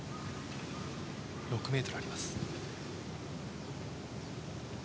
６ｍあります。